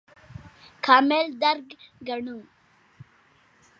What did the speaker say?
کامل درک ګڼو.